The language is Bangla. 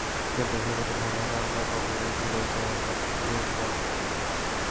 কিন্তু দেশের প্রতি ভালোবাসা আমরা কখনো ভুলে যাই না, ভুলতে পারি না।